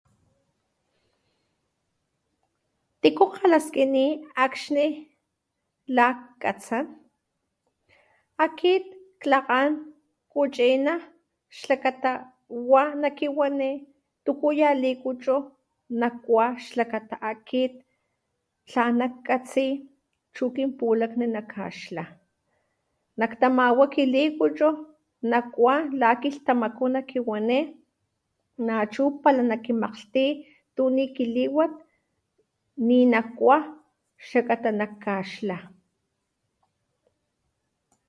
Tiku kalaskiní akgxni lakkatsán, akit Kklakán kuchiná lakata wa nakiwaní tuku ya likuchu nakuá xlakata aki tlan nakatsí chu kinpulakni nakaxlá, nak tamawá kilikuchú, nakuá la kilhtamakú nakiwaní nachú pala nakimakglhti tunikiliwat ninakuá xlakata nak kaxlá